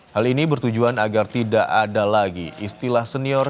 hal ini bertujuan agar tidak ada lagi istilah senior